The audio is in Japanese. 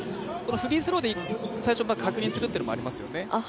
フリースローで最初確認するっていうのもありますよね。